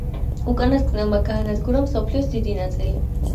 უკანასკნელმა გაანადგურა მსოფლიოს დიდი ნაწილი.